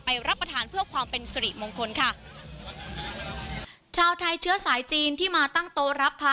รับประทานเพื่อความเป็นสิริมงคลค่ะชาวไทยเชื้อสายจีนที่มาตั้งโต๊ะรับพระ